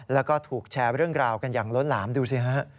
แล้วก็ถูกแชร์เรื่องราวกันอย่างล้นหลามดูสิฮะ